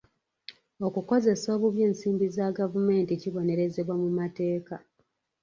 Okukozesa obubi ensimbi za gavumenti kibonerezebwa mu mateeka.